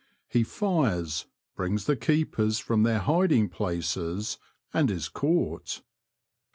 He fires, brings the keepers from their hiding places, and is caught.